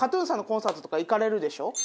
ＫＡＴ−ＴＵＮさんのコンサートとか行かれるでしょ？